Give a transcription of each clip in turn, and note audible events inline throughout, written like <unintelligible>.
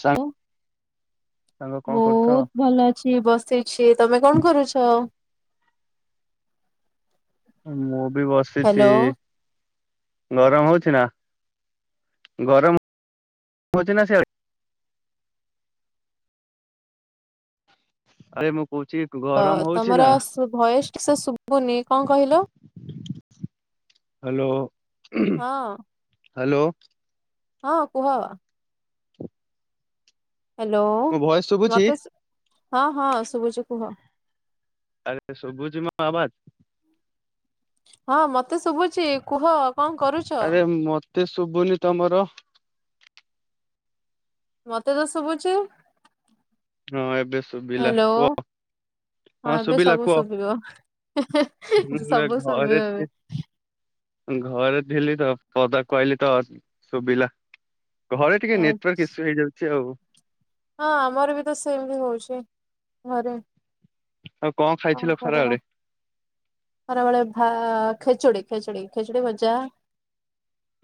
ସାଙ୍ଗ ହ୍ୟାଲୋ ସାଙ୍ଗ କଣ କରୁଛ? ବହୁତ ଭଲ ଅ ଅଛି ବସିଛି ତମେ କଣ କରୁଛ? ମୁଁ ବି ବସିଚି ହ୍ୟାଲୋ ଇ ଗରମ ହଉଛି ନା ଗରମ ହଉଛି ନା ସେଆଡେ଼? ଆରେ ମୁଁ କହୁଚି ଅ ତମର ଭଏସ ଠିକସେ ଶୁବୁନି କଣ କହିଲ? ହ୍ୟାଲୋ ହଁ ହ୍ୟାଲୋ। ହଁ କୁହ ଅ? ହ୍ୟାଲୋ ମୋ ଭଏସ ଶୁଭୁଛି? ମତେ ହଁ ହଁ ଶୁବୁଚି କୁହ। ଆରେ ସୁଭୁଚି ମୋ ଆବାଜ ହଁ ମତେ ଶୁଭୁଚି କୁହ କଣ କରୁ ଆରେ ମତେ ଶୁବୁନି ତମର ମତେ ତ ଶୁବୁଚି। ହଁ ଏବେ ଶୁଵିଲା ହ୍ୟାଲୋ କୁହ। ହଁ ଏବେ ଶୁଭିଲା ସବୁ କୁହ। ଶୁଭିବ ହୁଁ ସବୁ ଘରେ ଶୁଭିବ ଥି- ଏବେ ଘରେ ଥିଲି ତ ପଦା କୁ ଆଇଲିତ ଶୁଭିଲା ଘରେ ଟିକେ ଏ ନେଟୱାର୍କ ଇସୁ ହେଇଯାଉଛି ଆଉ ହଁ ଆମର ବି ତ ସେମିତି ହଉଛି ଘରେ ଆଉ ହଁ ଖାଇଥିଲ କଣ କରିବା ଖରାବେଳେ? ଖରାବେଳେ ଭା ଖେଚୁଡ଼ି ଖେଚୁଡି ଖେଚୁଡି ଭଜା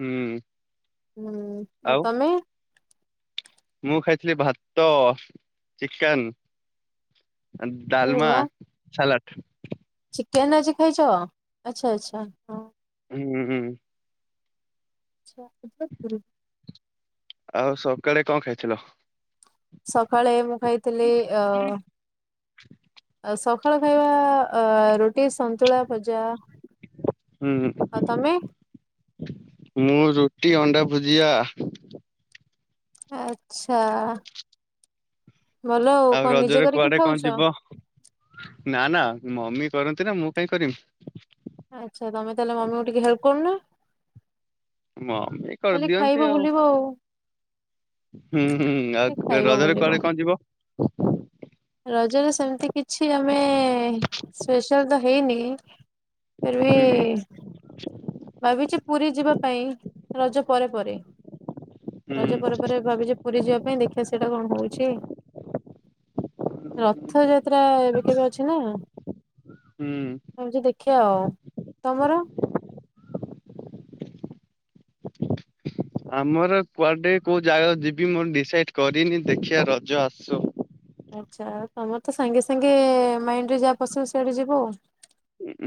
ହୁଁ ହୁଁ ଆଉ ତମେ ମୁଁ ଖାଇଥିଲି ଭାତ ଚିକେନ ଆରେ ଡାଲମା ବା ସାଲାଡ଼। ଚିକେନ ଆଜି ଖାଇଛ ଆଚ୍ଛା ଆଚ୍ଛା ହ। ହୁଁ ହୁଁ। ଆଛା <inaudible> ଆଉ ସକାଳେ କଣ ଖାଇଥିଲ? ସକାଳେ ମୁଁ ଖାଇଥିଲି ଅ ସଖାଳ ଖାଇବା ଅ ରୁଟି ସନ୍ତୁଳା ଭଜା। ହୁଁ ଆଉ ତମେ? ମୁଁ ରୁଟି ଅଣ୍ଡା ଭୁଜିଆ। ଆଚ୍ଛା ଭଲ ଆଉ କଣ ରଜରେ ନିଜେ କରିକି କୁଆଡେ କଣ ଖାଉଛ? ଯିବ? ନା ନା ମମି କରନ୍ତି ନା ମୁଁ କାଇଁ କରିବି? ଆଚ୍ଛା ତମେ ତାହେଲେ ମମି କୁ ଟିକେ ହେଲ୍ପ କରୁନ? ମମି ଖାଲି ଖାଇବ ବୁଲିବ ଆଉ ହୁଁ ହୁଁ ଖାଲି ଆଉ ଖାଇବ ରଜରେ ବୁଲିବ କୁଆଡେ କଣ ଯିବ? ରଜରେ ସେମିତି କିଛି ଆମେ ସ୍ପେଶାଲ ତ ହେଇନି ଫିରବି ହୁଁ ଭାବିଚୁ ପୁରୀ ଯିବା ପାଇଁ ରଜ ପରେ ପରେ ହୁଁ ରଜ ପରେ ପରେ ଭାବିଚୁ ପୁରୀ ଯିବା ପାଇଁ ଦେଖିବା ସେଇଟା କଣ ହଉଛି? ରଥଯାତ୍ରା ଏବେ କେବେ ଅଛି ନା? ହୁଁ। ଏମିତି ଦେଖିବା ଆଉ ତମର? ଆମର କୁଆଡେ କୋଉ ଜାଗା ଯିବି ମୁଁ ଡିସାଇଡ କରିନି ଦେଖିବା ରଜ ଆସୁ ଆଚ୍ଛା ତମର ତ ସାଙ୍ଗେ ସାଙ୍ଗେ ମାଇଣ୍ଡରେ ଯାହା ପଶିବ ସିଆଡେ ଯିବ ଆଉ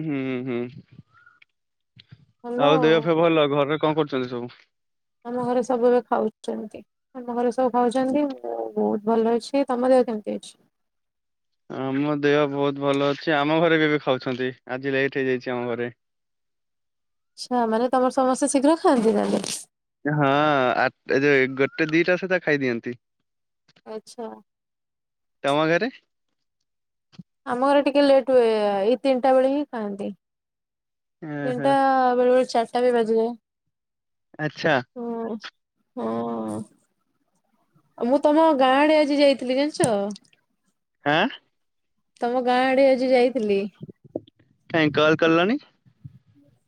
ହୁଁ ହୁଁ ଆଉ ଦେହଫ ଭଲ ଘରେ କଣ କରୁଛନ୍ତି ସବୁ? ଆମ ଘରେ ସବୁ ଏବେ ଖାଉଛନ୍ତି। ଆମ ଘରେ ସବୁ ଖାଉଛନ୍ତି ମୁଁ ବହୁତ ଭଲ ଅଛି ତମ ଦେହ କେମିତି ଅଛି? ଆମ ଦେହ ବହୁତ ଭଲ ଅଛି ଆମ ଘରେ ବି ଏବେ ଖାଉଛନ୍ତି ଆଜି ଲେଟ୍ ହେଇଯାଇଛି ଆମ ଘରେ। ଆଛା ମାନେ ତମର ସମସ୍ତେ ଶୀଘ୍ର ଖାଆନ୍ତି ତାହେଲେ। ହଁ ଏଉ ଗୋଟେ ଦିଟା ସୁଧା ଖାଇଦିଅନ୍ତି। ଆଚ୍ଛା। ତମ ଘରେ? ଆମ ଘରେ ଟିକେ ଲେଟ୍ ହୁଏ ଏଇ ତିନିଟା ବେଳେ ହିଁ ଖାଆନ୍ତି। ଓହୋ ତିନିଟା ବେଳୁ ଚାରିଟା ବି ବାଜି ଯାଏ। ଆଛା। ହୁଁ ହଁ। ମୁଁ ତମ ଗାଁ ଆଡେ ଆଜି ଯାଇଥିଲି ଜାଣିଚ? ଆଁ। ତମ ଗାଁ ଆଡେ ଆଜି ଯାଇଥିଲି? କାହିଁ କଲ କଲନି।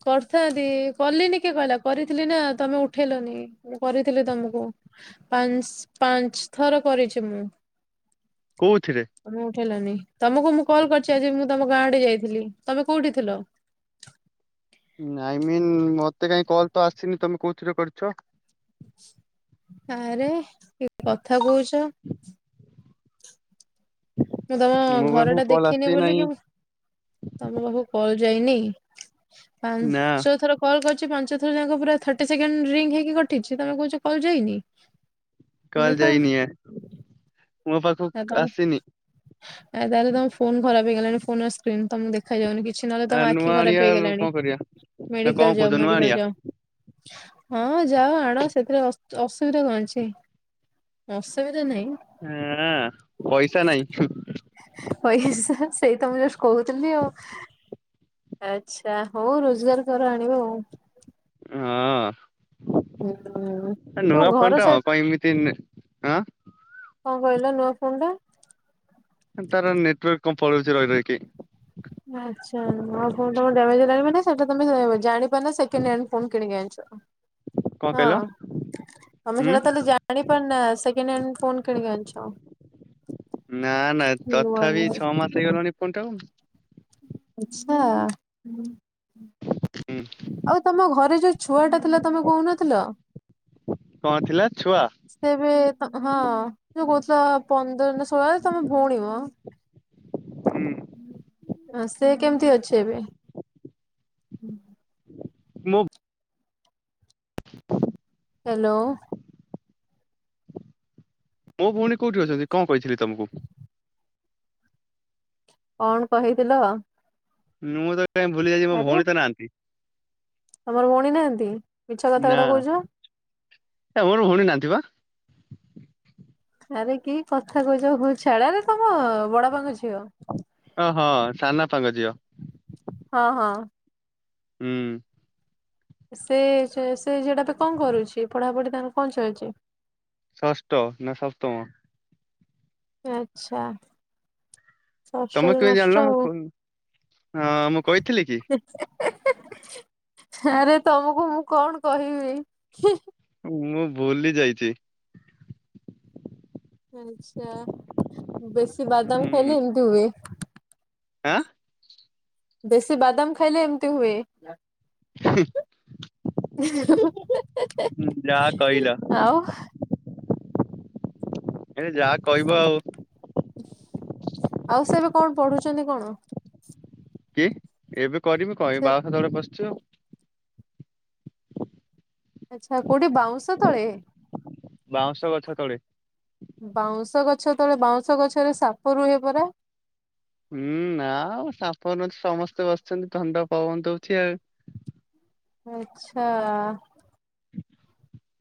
କରିଥାନ୍ତି କଲିନି କିଏ କହିଲା କରିଥିଲି ନା ତମେ ଉଠେଇଲନି କରିଥିଲି ତମକୁ। ପାଞ୍ଚ ପାଞ୍ଚ ଥର କରିଛି ମୁଁ। କୋଉଥିରେ? ମୁଁ ଉଠେଇଲନି ତମକୁ ମୁଁ କଲ କରିଛି ଆଜି ମୁଁ ତମ ଗାଁ ଆଡେ ଯାଇଥିଲି ତମେ କୋଉଠି ଥିଲ? ନାଇଁମିନ୍ ମତେ କାହିଁ କଲ୍ ତ ଆସିନି ତମେ କୋଉଥିରେ କରିଛ? ଆରେ କି କଥା କହୁଛ? ମୁଁ ତମ ମୋ ଘର ପାଖକୁ ଟା କଲ୍ ଦେଖିନି ଆସି ବୋଲି ନାହିଁ କେମତି ତମ ପାଖକୁ କଲ ଯାଇନି ନା ପାଞ୍ଚ ଥର କଲ୍ କରିଛି ପାଞ୍ଚ ଥର ଯାକ ପୁରା ଥାଟି ସେକଣ୍ଡ ରିଙ୍ଗ୍ ହୋଇକଟିଛି ତମେ କହୁଛ କଲ୍ ଯାଇନି। କଲ ଦେଖ ଯାଇନି ଏ ମୋ ଆଉ ପାଖକୁ ତମ ଆସିନି। ଆ ତାହେଲେ ତମ ଫୋନ ଖରାପ ହେଇଗଲାଣି ଫୋନ ଆଉ ସ୍କ୍ରିିନ ତମ ଦେଖ ଖା ଯାଉନି କିଛି ନହେଲେ ଆ ତମ ନୂଆ ଆଖି ଆଣିବା ଖରାପ କଣ ହେଇଗଲାଣି କରିବା ନା କଣ ମେଡିକାଲ କହୁଛ ଯାଅ ନୂଆ ମେଡିକାଲ ଆଣିବା? ଯାଅ। ହଁ ଯାଅ ଆଣ ସେଥିରେ ଅ ଅସୁବିଧା କଣ ଅଛି? ଅସୁବିଧା ନାହିଁ। ହଁ ପଇସା ନାଇଁ। ହୁ ପଇସା ସେଇ ତମୁଁ ଯୋ କହୁଥିଲି ଆଉ। ଆଚଛା ହଉ ରୋଜଗାର କର ଆଣିବ ଆଉ। ହଁ ହୁଁ। ତମ ନୂଆ ଘର ଫୋନ୍ଟା ହ ସାଇଡ ପାଇଁ ଏମିତି ହଁ କଣ କହିଲ ନୂଆ ଫୋନ ଟା ତାର ନେଟାର୍କ କଣ ପଳଉଛି ରହି ରହି କି? ଆଚ୍ଛା ଆ ତମ ଡ୍ୟାମେଜା ମାନ ସେଇଟା ତମେ ଜଣ ଜା ପାନ ନା ସେକଣ୍ଡ ହ୍ୟାଣ୍ଡ ଫୋନ୍ କିଣିକି ଆଣିଛି। କଣ କହିଲ? ଆମେ ହୁଁ ସେଟା ତାହେଲେ ଜାଣିପାର ନା ସେକେଣ୍ଡ ହ୍ୟାଣ୍ଡ ଫୋନ୍ କିଣିକି ଆଣିଛ। ନା ନା ନୂଆ ତଥାପି ନୁହେଁ ଛଅ ମାସ ହେଇଗଲାଣି ଫୋନଟାକୁ। ଆଚଛା ହୁଁ ଆଉ ତମ ଘରେ ଯୋଉ ଛୁଆ ଟା ଥିଲା ତମେ କହୁନଥିଲ। କଣ ଥିଲା ଛୁଆ? ସେବେ ହଁ ଯୋ କହୁଥିଲା ପନ୍ଦର ନା ଷୋଳ ହଜାର ତମେ ଭଉଣୀମ। ହୁଁ, ସେ କେମିତି ଅଛି ଏବେ? ହୁଁ ମୁଁ ହ୍ୟାଲୋ ମୋ ଭଉଣୀ କୋଉଠି ଅଛନ୍ତି କଣ କହିଥିଲି ତମକୁ? କଣ କହିଥିଲ? ମୁଁ ତ କାଇହିଁ ଭୁଲି ଯାଇଛି ମୋ ଆରେ ଭଉଣୀ ତ ନାହାନ୍ତି। ତମର ଭଉଣୀ ନାହାନ୍ତି ମିଛ କଥା ନା ଗୁଡା କହୁଛ। ଏ ମୋର ଭଉଣୀ ନାହାନ୍ତି ବା। ଆରେ କି କଥା କହୁଛ ହଉ ଛାଡରେ ତମ ବଡପାଙ୍କ ଝିଅ। ଓହଁ ସାନପାଙ୍କ ଝିଅ। ହଁ ହଁ ହୁଁ ସେ ସେ ଝିଅଟା ଏବେ କଣ କରୁଛି ପଢାପଢି ତାଙ୍କୁ କଣ ଚାଲିଛି। ଷଷ୍ଠ ନା ସପ୍ତମ। ଆଚ୍ଛା ତମେ ଷଷ୍ଠରୁ କେମିତି ନଷ୍ଟ ଜାଣିଲ ମୁଁ ଆଉ କ ହଁ ମୁଁ କହିଥିଲି କି? ଆରେ ତମକୁ ମୁଁ କଣ କହିବି? ହ ମୁଁ ଭୁଲି ଯାଇଛି। ଆଚ୍ଛା ବେଶୀ ବାଦାମ ହୁଁ। ଖାଇଲେ ଏମିତି ହୁଏ। ଆଁ। ବେଶୀ ବାଦାମ ଖାଇଲେ ଏମିତି ହୁଏ। ଯାହା କହିଲ ଆଉ। ଏଇନେ ଯାହା କହିବ ଆଉ। ଆଉ ସେ ଏବେ କଣ ପଢୁଛନ୍ତି କଣ? କି ଏବେ କରିବି କଁ ଏଇ ସେ ବାଉଁଶ ତଳେ ପସିଚି ଆଉ। ଆଚ୍ଛା କୋଉଠି ବାଉଁଶ ତଳେ। ବାଉଁଶ ଗଛ ତଳେ। ବାଉଁଶ ଗଛ ତଳେ ବାଉଁଶ ଗଛରେ ସାପ ରୁହେ ପରା? ହୁଁ ନାଁ ଆଉ ସାପ ନୁ ସମସ୍ତେ ବସିଛନ୍ତି ଥଣ୍ଡା ପବନ ଦଉଛି ଆଉ। ଆଚଛା।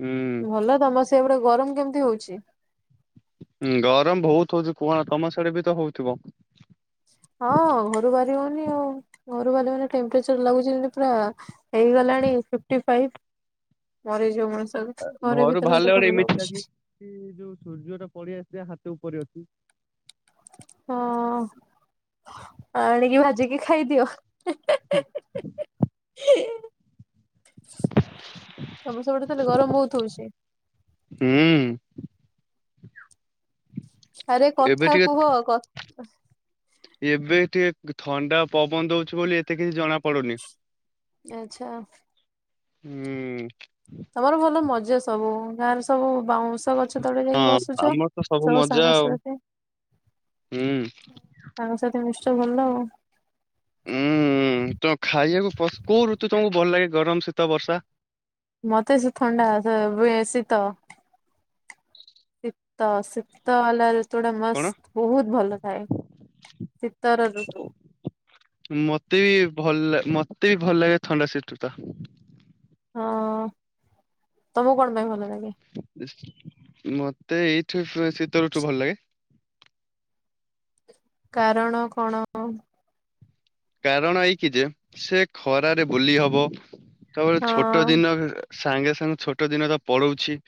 ହୁଁ। ଭଲ ତମର ସେ ପଟେ ଗରମ କେମିତି ହଉଛି? ହୁଁ ଗରମ ବହୁତ ହଉଛି କୁହନା ତମ ସିଆଡେ ବି ତ ହଉଥିବ। ହଁ ଘରୁ ବାହାରି ହଉନି ଆଉ ଘରୁ ବାହାରି ହଉନି ଟେମ୍ପରେଚର ଲାଗୁଛି ଯେମିତି ପୁରା ହେଇଗଲାଣି ଫିପ୍ଟିଫାଇପ ମରିଯିବ ମଣିଷ ଘରେ ଭିତରେ ହେଲେ ଭଲ ଲାଗୁଛି। ସେ ଯୋଉ ସୂର୍ଯ୍ୟଟା ପଳେଇଆସି ହାତ ଉପରେ ଅଛି। ହଁ ଆଣିକି ଭାଜିକି ଖାଇଦିଅ। ହୁଁ। ତମ ସେପଟେ ତାହାଲେ ଗରମ ବହୁତ ହଉଛି? ହୁଁ। ଆରେ ଏବେ କଥା ଟିକେ କୁହ କ ଏବେ ଟିକେ ଥଣ୍ଡା ପବନ ଦଉଛି ବୋଲି ଏତେ କିଛି ଜଣା ପଡୁନି। ଆଚଛା। ହୁଁ ତମର ଭଲ ମଜା ସବୁ ଗାଁରେ ସବୁ ବାଉଁ ସ ଗଛ ତଳେ ଯାଇକି ହଁ ବସୁଛ ଆମର ତ ସବୁ ମଜା ଆଉ। ସାଙ୍ଗସାଥି ହୁଁ ସାଙ୍ଗସାଥି ମିଶୁଛ ଭଲ ଆଉ। ଉୁଁ ତ ଖାଇବାକୁ ପ କୋଉ ଋତୁ ତମକୁ ଭଲ ଲାଗେ ଗରମ ଶୀତ ବର୍ଷା? ମତେ ସେ ଥଣ୍ଡା ବେ ଶୀତ। ଶୀତ ଶୀତ ବାଲା ରୁ ଶୀତଟା କଣ ମସ୍ତ ବହୁତ ଭଲ ଥାଏ ଶୀତର ଋତୁ। ମତେ ବି ଭଲ ମତେ ବି ଭଲ ଲାଗେ ଥଣ୍ଡା ଶୀତୁଟା। ହଁ ତମକୁ କଣ ପାଇଁ ଭଲ ଲାଗେ? ମତେ ଏଇଠୁ ଶୀତଋତୁ ଭଲ ଲାଗେ। କାରଣ କଣ? ହଁ କାରଣ ଏଇକିଯେ ସେ ଖରାରେ ବୁଲି ହବ ତାପରେ ଛୋ ଛୋଟ ଦିନ ସାଙ୍ଗେ ସାଙ୍ଗେ ଛୋଟ ଦିନ ର ପଳଉଛି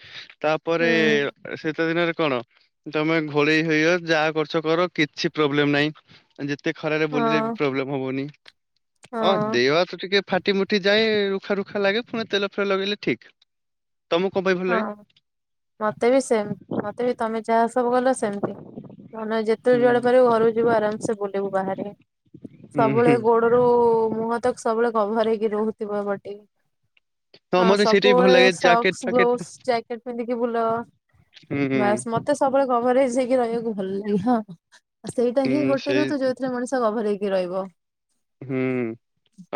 ତାପରେ ହୁଁ ଶୀତ ଦିନରେ କଣ ତମେ ଘୋଡେଇ ହେଇଅ ଯାହା କରୁଛ କର କିଛି ପ୍ରୋବ୍ଲେମ ନାହିଁ ଜେତେ ଖରାରେ ହଁ ବୁଲିଲେ ବି ପ୍ରୋବ୍ଲେମ ହବନି ହଁ ଦେ ଟିକେ ଫାଟି ମୁୁଟି ଯଏ ରୁଖା ରୁଖା ଲାଗେ ପୁଣି ତେଲ ଫେଲ ଲଗେଇଲେ ଠିକ। କପାଇଁ ଭଲ ଲାଗେ? ହଁ ମତେ ବି ସେମ୍ ମତେ ବି ତମେ ଯାହା ସବୁ କଲ ସେମତି। ନନେ ଯେତେବେଳେ ହୁଁ ଯୁଆଡେ ପାରିବୂ ଘରକୁ ଯିବୁ ଆରାମସେ ବୁଲିବୁ ବାହାରେ। ହୁଁ ସବୁବେଳେ ହୁଁ ଗୋଡ ରୁ ମୁହଁ ତ ସବୁବେଳେ କଭର ହେଇକି ରହୁଥିବ ଏ ବଟେ। ହଁ ମତେ ସେଇଟା ବି ଭଲ ସବୁବେଳେ <unintelligible> ଲାଗେ ଜ୍ୟାକେଟ <unintelligible> ଫ୍ୟାକେଟ ଗ୍ଲୋସ୍ ଜ୍ୟାକେଟ ପିନ୍ଧିକି ବୁଲ। ହୁଁ ହୁଁ ମତେ ବାସ ସବୁବେଳେ କଭରେଜ ହେଇକି ରହିବାକୁ ଭଲ ଲାଗେ। ହଁ ସେଇଟା ହିଁ ହୁଁ ଗୋଟେ ସେଇ ଋତୁ ଯୋଉଥିରେ ମଣିଷ ଗଭର ହେଇକି ରହିବ। ହୁଁ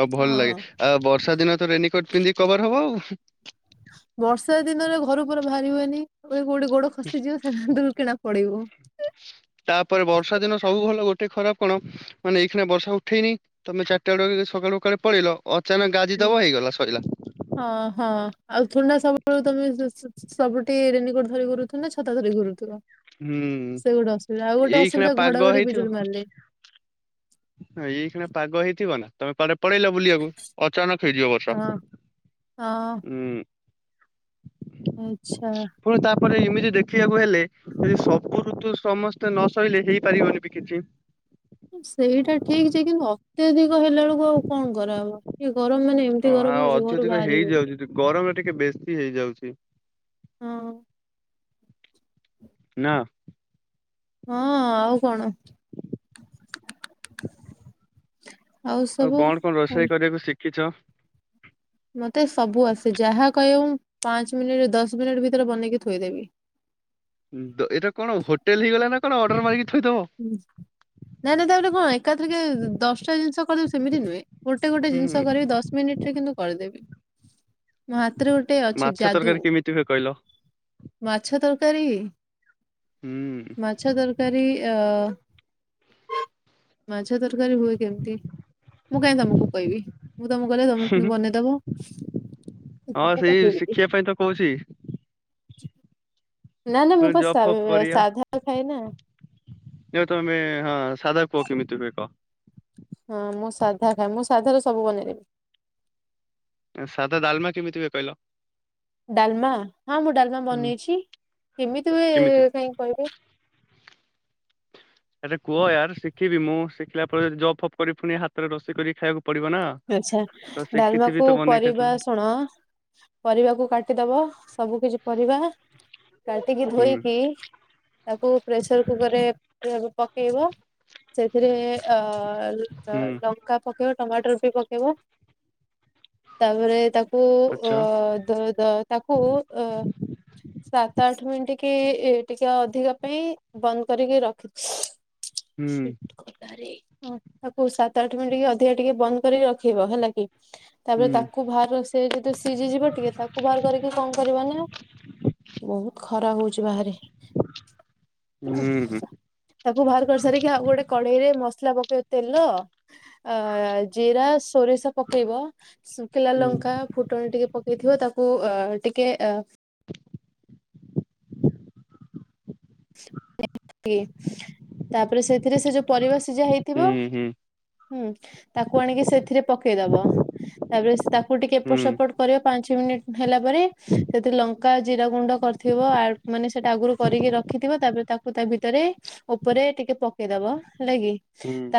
ଆଉ ଭଲ ଲାଗେ। ହଁ। ଆଉ ବର୍ଷା ଦିନ ତ ରେନିକୋଟ ପିନ୍ଧିକି କଭର ହବ ଆଉ। ବର୍ଷା ଦିନରେ ଘରୁ ପୁରା ବାହାରି ହୁଏନି <unintelligible> କୋଉଠି ଗୋଡ ଖସିଯିବ ସେ ଦୁର୍ କିନା ପଡିବୁ। ତାପରେ ବର୍ଷା ଦିନ ସବୁ ଭଲ, ଗୋଟେ ଖରାପ କଣ, ମାନେ ଏଇଖାନା ବର୍ଷା ଉଠେଇନି ତମେ ଚାରିଟା ବେଳକୁ ସକାଳୁ ପଳେଇଲ ଅ <unintelligible> ହୁଁ। ଗାଜିଦବ ହେଇଗଲା, ସଇଲା। ହଁ ହଁ ଆଉ ଥୋଡି ସବୁବେଳୁ <unintelligible> ସବୁଠି ରେନିକୋଟ ଧରି ଘୁରୁଥିବ ନା ଛତା ଧରି ଘୁରୁଥିବ। ହୁଁ ସେ ଗୋଟେ ଅସୁବିଧା। ଆଉ ଗୋଟେ ଏଇଖିଣା ଅସୁବିଧା ପାଗ ଘଡଘଡି ବିଜୁଳି ମାରିଲେ। ଏଇ କ୍ଷୀଣପାଗ ହେଇଥିବ ନା ତମେ କ ପଳେଇଲ ବୁଲିବାକୁ ଅଚାନକ ହେଇଯିବ ବର୍ଷା। ହଁ ହଁ ହୁଁ। ଆଚ୍ଛା। ପୁଣି ତାପରେ ଏମିତି ଦେଖିବାକୁ ହେଲେ, ଏ ସବୁ ଋତୁ ସମସ୍ତେ ନସହିଲେ ହେଇପାରିବନି ବି କିଛି। ସେଇଟା ଠିକ୍ <unintelligible> ଅତ୍ୟଧିକ ହେଲା ବେଳକୁ ଆଉ କଣ କରାହେବ। ଏ ଗରମ ମାନେ ଏମିତି ଗରମ ହଉଛି ଘରୁ ବାହାରିବିହଉନି। ଗରମରେ ଟିକେ ବେଶୀ ହେଇଯାଉଛି। ହଁ। ନା। ହଁ ଆଉ କଣ? ଆଉ କଣ କଣ ଉଁ, ରୋଷେଇ କରିୟାକୁ ଶିଖିଛ? ମତେ ସବୁ ଆସେ, ଯାହା କହିବ ମୁଁ ପାଞ୍ଚ ମିନିଟ୍ ଦଶ ମିନିଟ୍ ଭିତରେ ବନେଇକି ଥୋଇଦେବି। <unintelligible> ଏଟା କଣ ହୋଟେଲ ହେଇଗଲା ନା କଣ ଅର୍ଡର ମାରିକି ଥୋଇଦବ। ହୁଁ ନାଇଁ ନାଇଁ ତା <unintelligible> ଏକାଥରଖେ ଦଶଟା ଜିନିଷ <unintelligible> ସେମିତି ନୁହେଁ। ଗୋଟେ ଗୋଟେ ହୁଁ ଜିନିଷ କରିବି ଦଶ ମିନିଟ ରେ କିନ୍ତୁ କରିଦେବି। ମୋ ହାତରେ ଗୋଟେ ଅଛି ମାଛ ଯାଦୁ। ତରକାରୀ କେମିତି ହୁଏ କହିଲ? ମାଛ ତରକାରୀ, ହୁଁ ମାଛ ତରକାରୀ। ଅ ମାଛ ତରକାରୀ ହୁଏ କେମିତି? ମୁଁ କାହିଁକି ତମକୁ କହିବି, ମୁଁ ତମକୁ କହିଲେ ତମେ ହୁଁ ପୁଣି ହୁଁ ବନେଇଦବ। ହଁ ସେଇ ଶିଖିବା <unintelligible> ପାଇଁ ତ କହୁଛି ନା ନା ମୁଁ ପୁଣି ପା ଜବ୍ ସା ଫବ୍ କରିବା। ସାଧା ଖାଏ ନା। <unintelligible> ତମେ ହଁ ସାଧା କୁହ କେମିତି ହୁଏ କହ? ହଁ ମୁଁ ସାଧା ଖାଏ। ମୁଁ ସାଧା ର ସବୁ ବନେଇଦେବି। ସାଧାଡ଼ାଲମା କେମିତି ହୁଏ କହିଲ? ଡାଲମା, ହଁ ମୁଁ ଡାଲମା ହୁଁ ବନେଇଛି। କେମିତି ହୁଏ କାହିଁକି କହିବି। ଏରେ କୁହ ୟାର, ଶିଖିବି ମୁଁ ଶିଖିଲା ପରେ ଜବ୍ ଫବ କରିବି ପୁଣି ହାତରେ ରୋଷେଇ କରିକି ଖାଇବାକୁ ପଡିବ ନା। ଆଛା ତ ଶିଖିଥିବି ଡାଲମାକୁ ତ ବନେଇ ପରିବା ଖାଇଥିବି ଶୁଣ। ପରିବାକୁ କାଟିଦବ, ସବୁ କିଛି ପରିବା। କାଟିକି ହୁଁ ଧୋଇକି ତାକୁ ପ୍ରେସର କୁକରରେ <unintelligible> ପକେଇବ। ସେଥିରେ ଅ ତ ହୁଁ ଲଙ୍କା ପକେଇବ ଟମାଟୋ ର ବି ପକେଇବ, ତାପରେ ତାକ କୁ ଅ, ଆଚ୍ଛା ଦର ଦା-ତାକୁ ଅ, ସାତ ଆଠ ମିନିଟ୍ କି ଇ-ଟିକେ ଅଧିକା ପାଇଁ ବନ୍ଦ କରିକି ରଖିଛି। ହୁଁ ସିଟ୍ ଗଲାରେ ଅଁ, ତାକୁ ସାତ ଆଠ ମିନଟି କି ଅଧିକା ଟିକେ ବନ୍ଦ କରି ରଖିବ, ହେଲା କି ହୁଁ ତାପରେ ତାକୁ ଭାର ସେ ଯଦି ସିଜି ଯିବ ଟିକେ ତାକୁ ବାହାର କରିକି କଣ କରିବ ନା ବହୁତ ଖରାପ ହଉଛି ବାହାରେ। ହୁଁ, ହୁଁ ହୁଁ ସା ତାକୁ ବାହାର କରିସାରିକି, ଆଉ ଗୋଟେ କଢେଇରେ ମସଲା ପକେଇବ ତେଲ ଆ, ଜିରା ସୋରିଷ ପକେଇବ, ଶୁଖିଲା ଲଙ୍କା ଫୁଟଣ ଟିକେ ପକେଇଥିବ, ତାକୁ ଅ, ଟିକେ ଅ, <inaudible> ତି ତାପରେ ସେଥିରେ ସେ ଯୋଉ ପରିବା ସିଝା ହେଇଥିବ ହୁଁ ହୁଁ ହୁଁ, ତାକୁ ଆଣିକି ସେଥିରେ ପକେଇଦବ, ତାପରେ ତାକୁ ଟିକେ ଏପଟ ହୁଁ ସେପଟ କରି ପାଞ୍ଚ ମିନିଟ୍ ହେଲା ପରେ ସେଥିରେ ଲଙ୍କ କା ଜିରା ଗୁଣ୍ଡ କରିଥିବ ଆ- ମାନେ ସେଟା ଆଗୁରୁ କରିକି ରଖିଥିବ, ତାପରେ ତାକୁ ତା ଭିତରେ ଉପରେ ଟିକେ ପକେଇଦବ ହେଲା କିି, ହୁଁ ତା